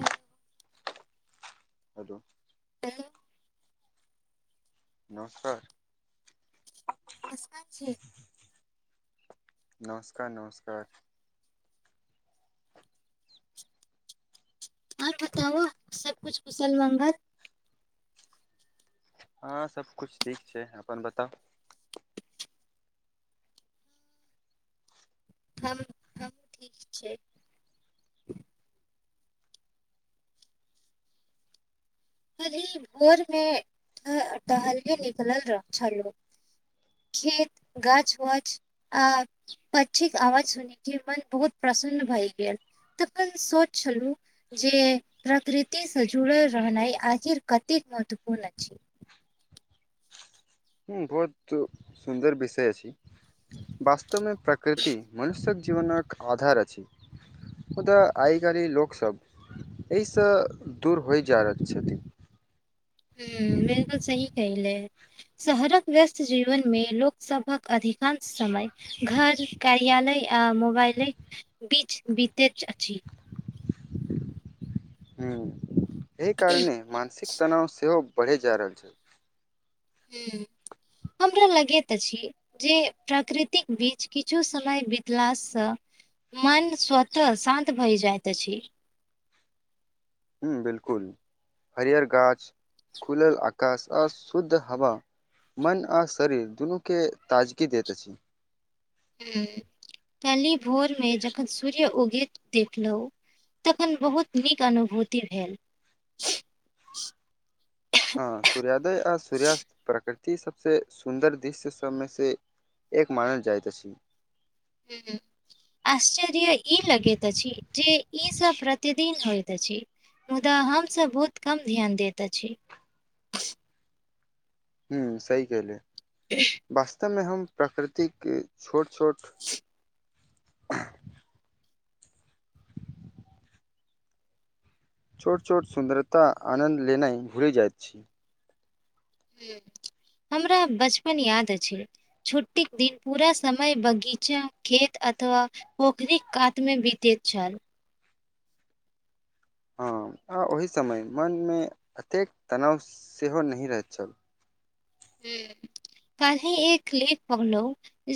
Hello hello आ नमस्कार [inaudible] नमस्कार नमस्कार और बताबु सब कुछ कुशल मङ्गल हँ सब कुछ ठीक छै अपन बताउ [inaudible] ठीक छै अरे भोर मे टहले निकलल छलौ खेत गाछ वाछ आ पक्षीक आवाज सुनि के मन बहुत प्रसन्न भय गेल तखन सोच छलु जे प्रकृति से जुड़ल रहनाइ आखिर कते महत्वपूर्ण छै हूँ बहुत सुन्दर विषय अछि बास्त वमे प्रकृति मनुष्यक जीवनक आधारत जी मुदा आइ गरी लोक सब अय सँ दूर होई जा रहल छथिन हूं मेनो सही कहलै शहरक व्यस्त जीवन मे लोक सभक अधिकांश समय घर कार्यालय आ मोबाइलैक बीच बितैत अछि हूं एहि कारणेँ मानसिक तनाव सेहो भढ़ै जा रहल छै हूं हमरा लगैत अछि ई जे प्राकृतिक बीच किछु समय बितला सँ मन स्वतः शान्त भए जाइत अछि ई हूं बिलकुल हरियर गाछ खुलल आकाश आ शुद्ध हवा मन आ शरीर दुनूके ताजगी दैत अछि ई हूं कैले भोर मे जखन सूर्य उगैत देखलहु तखन बहुत नीक अनुभूति भेल हां सूर्यादय आ सूर्यास्त प्रकृति सबसे सुन्दर दृश्य सबमे से एक मानल जाइत अछी हूं हूँ आश्चर्य यै ई लगैत अछि इ की इ सब प्रतिदिन होइत अछि मुदा हम सब बहुत कम ध्यान दैत अछी हूँ सही कहले वास्तव मे हम प्राकृतिके छोट - छोट छोट - छोट सुन्दरता आनन्द लेनाय भुल जाइत छै हूँ हमरा बचपन याद अछि छुट्टीक दिन पूरा समय बगीचा खेत अथवा पोखरीक कात मे बितैत छल हँ आ ओहि समय मनमे एतेक तनाव सेहो नहि रहैत छल हूं ताही एक लेक कहलौ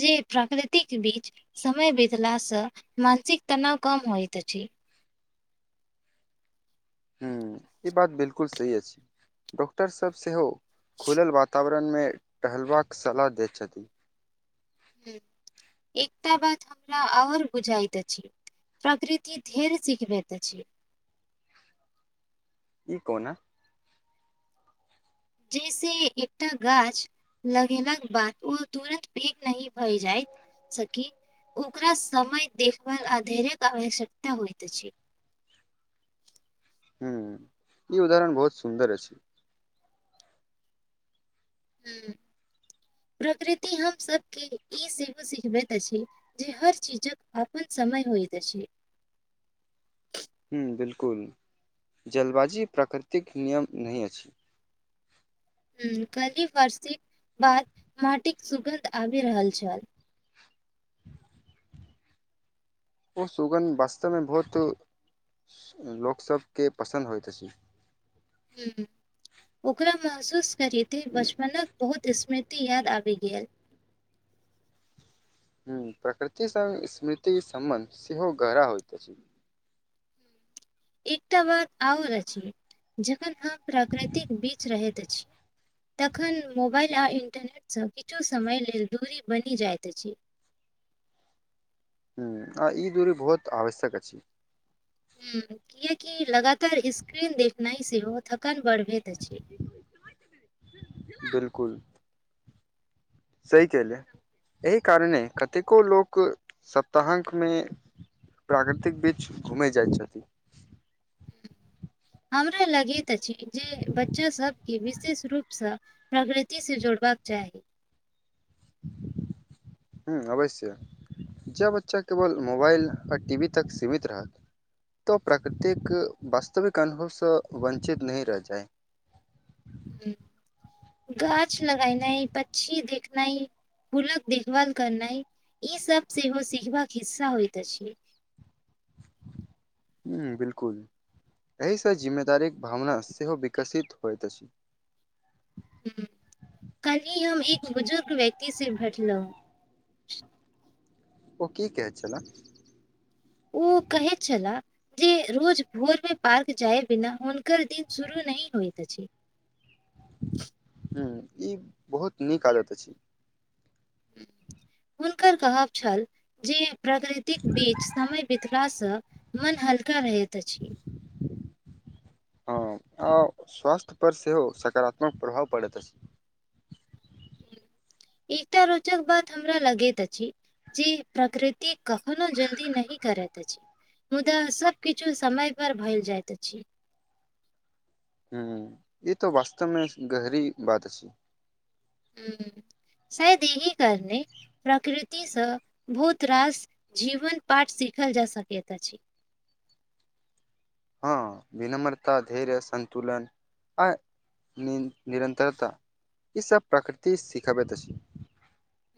जे प्राकृतिक बीच समय बितला स मानसिक तनाव कम होइत अछी हूं ई बात बिल्कुल सही अछि डॉक्टर सब सेहो खुलल वातावरण संग मे टहलबाक सलाह देत छथि हूँ एकटा बात हमरा आओर बुझाइत अछि प्राकृति धेर सीखबैत अछि ई कोना जै से एकटा गाछ लगेलाके बाद ओ तुरत पैघ नहि भए जायत सखी ओकरा समय देखभाल अधेरेका आवश्यकता होइत अछी हुँ ई उदाहरण बहुत सुन्दर अछि हूँ प्रकृति हम सबके ई सेहो सिखबैत अछि जे हर चीजक अपन समय होइत अछि हूँ बिल्कुल। जल्दबाजी प्राकृतिक नियम नहि अछि हूँ काल्ही वारषिक बाद माटिक सुगन्ध आबि रहल छल ओ सुगन्ध वास्तवमे बहुत लोक - सबके पसन्द होइत अछि हूँ हूँ ओकरा महसूस करे ते बचपनक बहुत स्मृति याद आबि गेल हूँ प्रकृति संग स्मृतिक सम्बन्ध सेहो गहरा होइत अछि एकटा बाद आओर अछि जखन हम प्राकृतिक बीच रहैत अछी तखन मोबाल आ इंटरनेटसँ किछु समय लेल दूरी बनि जाइत अछि हूँ आ ई दूरी बहुत आवश्यक अछि हूँ कियाकि लगातार स्क्रीन देखनाइ सेहो थकान बढ़बैत अछि - बिल्कुल सही कहिले एहि कारणे कतेको लोक सप्ताहाकमे- प्राकृतिक बीच घुमै जाइ छथि हमरा लगैत अछि जे बच्चा सबके विशेष रूपसँ- प्रकृतिक से जोड़बाक चाही [inaudible] हूँ आवश्य ज बच्चा केवल मोबाइल आ टी वी तक सीमित रहत तऽ प्राकृतिक वास्तविक अनुभवसँ वञ्चित नहि रहि जाय हूँ गाछ लगैनाय पछी देखनाय फूलक देखभाल करनाइ ई सब सेहो सिखबाका हिस्सा होइत अछि हम्म बिलकुल एहि स जिम्मेदारी क भावना सेहो विकसित होइत अछि हूँ कलहि हम एक बुजुर्ग व्यक्ति से भेटलहु ओ कि कहैत छलाह उ कहै छला जे रोज भोर मे पार्क जाय बिना हुनकर दिन शुरू नहि होइत अछि हम्म इ बहुत नीक आदत अछि हुनकर कहब छल जे प्रकृ- तीक बीच समय बितलाा स मन हल्का रहैत अछि हँ आ स्वास्थ्य पर सेहो सकारात्मक प्रभाव परैत अछि एकटा रोचक बात हमरा लगैत अछि जे प्रकृति कखनो जल्दी नहि करैत अछि मुदा सब किछु समय पर भैल जाइत अछि हूँ ई त वास्तवमे गहरी बात अछि हम्म शायद यही कारनै प्रकृति सँ भूत रास जीवन पाठ सीखल जा सकैत अछि हँ विनम्रता धैर्य संतुलन आ निन निरन्तरता इ सभ प्राकृतिक सिखबैत अछि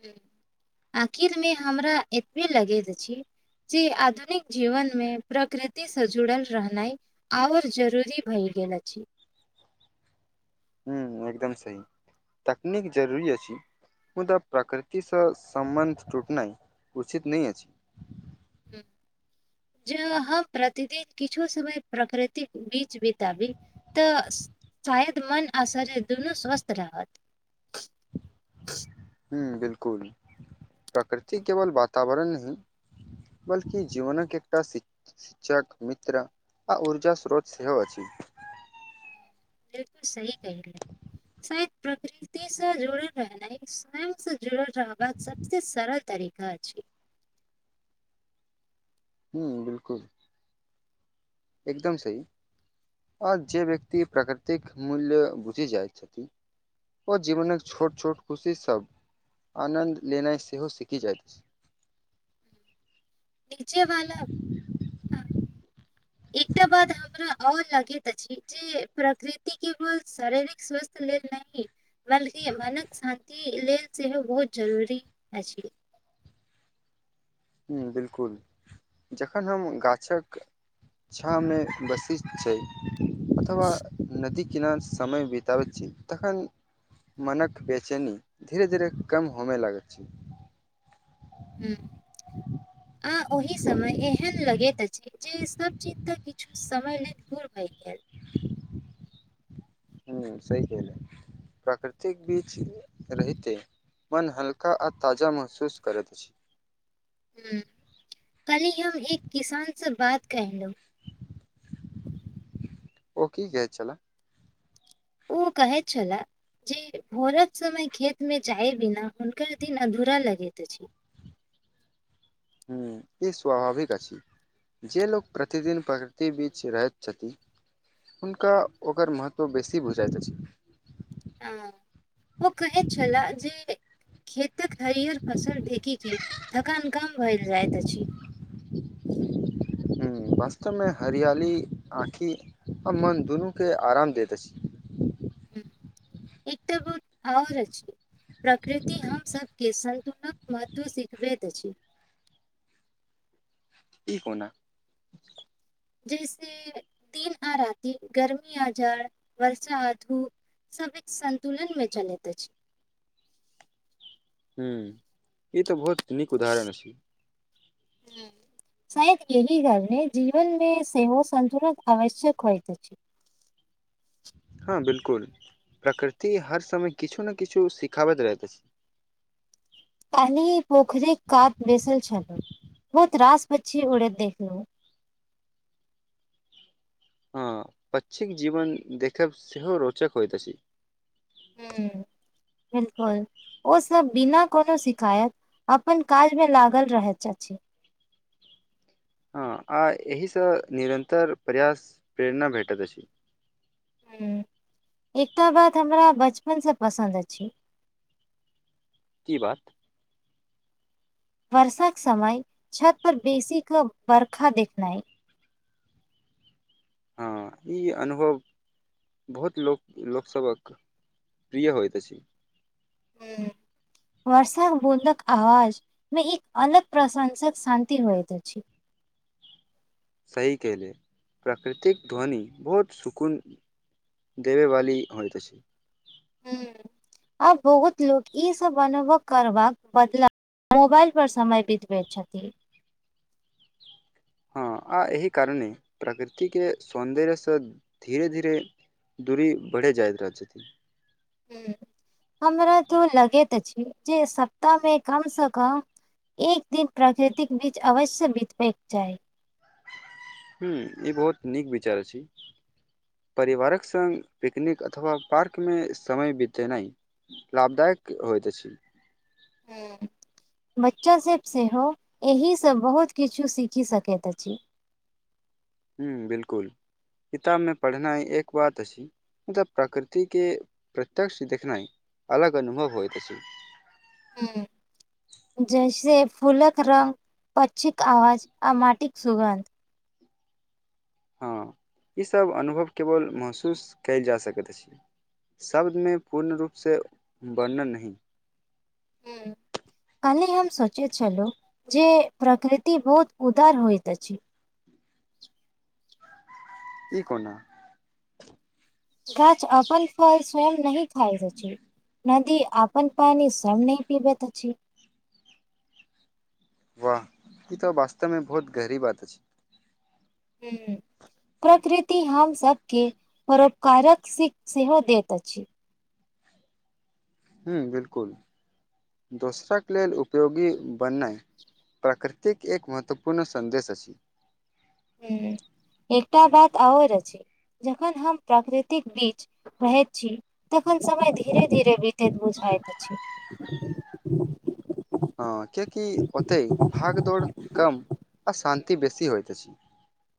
हम्म आखिर मे हमरा एतबे लगैत अछि जे आधुनिक जीवन मे प्रकृति से जुड़ल रहनाइ आओर जरूरी भइल गेल अछि हम्म एकदम सही तकनीक जरूरी अछि मुदा प्रकृति सँ सम्बन्ध टूटनाय उचित नय अछि हुँ ज हम प्रतिदिन किछु समय प्रकृतिक बीच बिताबी त शायद मन आ शरीर दुनू स्वस्थ रहत हुँ बिलकुल प्रकृति केवल वातावरण नहि बल्कि जीवनक एकटा शि शिक्षक मित्र आ ऊर्जा स्रोत सेहो अछि बिल्कुल सही कहली शायद प्रकृति स जुड़ल रहनाय स्वयं से जुड़ल रहबाक सबसे सरल तरीका छै हूँ बिलकुल एकदम सही आ जे व्यक्ति प्राकृतिक मूल्य बुझी जाय छथि ओ जीवनक छोट छोट खुशी सब आनन्द लेनाय सेहो सीखि जाइत अछि नीचे वाला एकटा बात आओर हमरा आओर लगैत अछि जे प्रकृति केवल शारीरिक स्वस्थ लेल नहि बल्कि मनक शान्ति लेल सेहो बहुत जरूरी अछि हूँ बिल्कुल जखन हम गाछक छाँह मे बसीत छै अथवा नदी किनार समय बिताबै छी तखन मनक बेचैनी धीरे धीरे कम होमय लगैत छी हूँ [inaudible] आ ओहि समय एहेन लगैत अछि जी सब चिज के किछु समय लैत दूर भय गेल हूँ सही कहले प्रकृतिक बीच रहिते मन हल्का आ ताजा महसूस करत अछि हुँ काल्ही हम एक किसान सऽ बात कैलू ओ की कहै छलाय उऽ कहै छलय जे भोरक समय खेतमे जाय बिना हुनकर दिन अधूरा लगैत अछि हुँ ई स्वाभाविक अछि जे लोक प्रतिदिन प्रकृति बीच रहैत छथि हुनका ओकर महत्व बेसी बुझाइत अछि हुँ ओ कहैत छलय जे खेतक हरियर फसल देखी के थकान कम भेल जाइत अछि हुँ वास्तव मे हरियाली आँखि आ मन दुनू के आराम देत अछि हू एकटा बात और आछि प्रकृति हमसभ के सन्तुलक महत्व सिखबैत अछि ई कोना जैसे दिन आ राति गर्मी आ जाड़ वर्षा आ धूप सब एक संतुलन मऽ चलैत अछि हँ ई तऽ बहुत नीक उदाहरण अछि हू शायद एहि कारणे जीवन मे सेहो संतुलन आवश्यक होइत अछि हँ बिल्कुल प्रकृति हर समय किछु ने किछु सिखाबैत रहैत अछि काल्हिपोखरी कात बैसल छलो बहुत रास पऽछी उड़ैत देखलहु हँ पछिक जीवन देखब सेहो रोचक होइत अछि हू बिल्कुल ओ सब बिना कोनो शिकायत अपन काज मे लागल रहैत अछि हँ आ एहिसँ निरन्तर प्रयास प्रेरणा भेटैत अछि हुँ एकटा बात हमरा बचपन सऽ पसन्द अछि की बात वर्षाक के समय छत पर बेसी कऽ बर्खा देखनाइ हँ ई अनुभव बहुत लोक लोकसभक प्रिय होइत अछि हू वर्षाकऽ बूंदक आवाज मे एक अलग प्रशंसक शान्ति होइत अछि सही केले प्राकृतिक ध्वनि बहुत सुकून देबेवाली होइत अछि हू आब बहुत लोको ई सब अनुभव करबाक बदलाव मोबाइल पर समय बीतबे छथि हँ आ एहि कारणे प्रकृतिके सौन्दर्यसँ धीरे धीरे दूरी बढ़े जाय छथि हू हमरा तो लगैत छै जे सप्ताह मे कमसँ कम एक दिन प्राकृतिक बीज अवश्य बितबयके चाही हू ई बहुत नीक विचार अछि परिवारक संग पिकनिक अथवा पार्कमे समय बितेनाइ लाभदायक होइत अछि हुॅं बच्चा सब सेहो एहि स बहुत किछु सीखि सकैत अछि हुॅं बिलकुल किताबमे पढ़नाइ एक बात अछि मुदा प्रकृतिके प्रत्यक्ष देखनाइ अलग अनुभव होइत अछि हुॅं जैसे फूलक रंग पचछिक आवाज आ माटिक सुगन्ध हँ ईसभ अनुभव केवल महसूस कयल जा सकैत अछि शब्दमे पूर्ण रूपसँ वर्णन नहि हुॅं कले हम सोचे छलहुँ जे प्रकृति बहुत उदार होइत अछि ई कोना गाछ अपन फल स्वयं नह खायत अछि नदी अपन पानी स यम नहि पीबैतऽ अछि वाह ई त वास्तवमे बहुत गहरी बात अछि हुॅं प्रकृति हम सबके परोपकारक सीख सेहो दैत अछि हुॅं बिलकुल दोसरक लेल उपयोगी बननाय प्राकृतिक एक महत्वपूर्ण सन्देश अछि हुॅं एकटा बात आओर अछि जखन हम प्राकृतिक बीज रहैत छी तखन समय धीरे धीरे बीतैत बुझाइत अछि [inaudible] हँ कियाकि ओतय भागदौड़ कम आ शान्ति बेसी होइत अछि